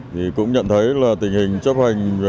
thì cũng nhận thấy là tình hình chấp hành